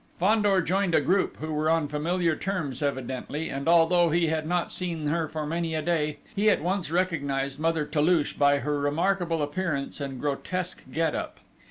Fandor joined a group who were on familiar terms evidently, and, although he had not seen her for many a day, he at once recognised Mother Toulouche by her remarkable appearance and grotesque get up.